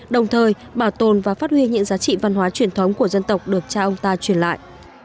đồng thời bảo tồn và phát huy những giá trị văn hóa truyền thống của dân tộc được cha ông ta truyền lại